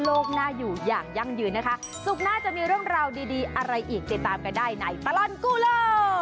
โอ้โอ้โอ้